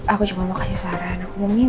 aku cuma mau kasih saran